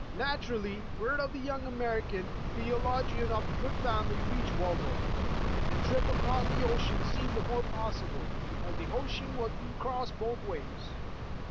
Naturally, w^ord of the young American theo logian of good family reached Waldorf, and the trip across the ocean seemed the more possible, because the ocean was being crossed both ways.